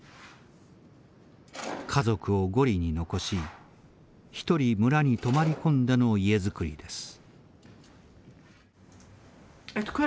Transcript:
家族をゴリに残し一人村に泊まり込んでの家造りです。